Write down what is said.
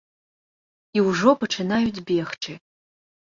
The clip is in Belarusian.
І ўжо пачынаюць бегчы.